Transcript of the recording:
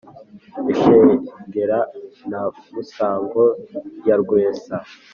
ishengeranamusango ya rwesa